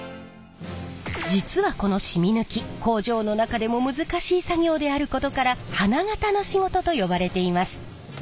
実はこのしみ抜き工場の中でも難しい作業であることから花形の仕事と呼ばれています。